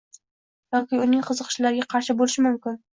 yoki uning qiziqishlariga qarshi bo‘lishi mumkin.